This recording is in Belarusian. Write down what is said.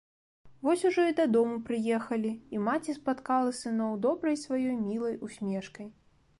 Вось ужо і дадому прыехалі, і маці спаткала сыноў добрай сваёй мілай усмешкай.